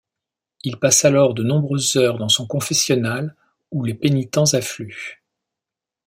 Il passe alors de nombreuses heures dans son confessionnal où les pénitents affluent.